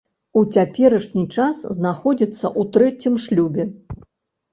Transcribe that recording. У цяперашні час знаходзіцца ў трэцім шлюбе.